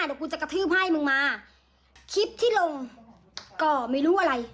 เดี๋ยวกูจะกระทืบให้มึงมาคลิปที่ลงก็ไม่รู้อะไร